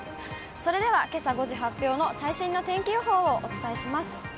それではけさ５時発表の最新の天気予報をお伝えします。